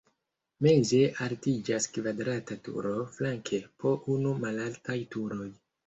Meze altiĝas kvadrata turo, flanke po unu malaltaj turoj.